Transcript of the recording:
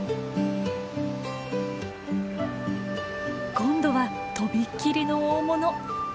今度は飛び切りの大物。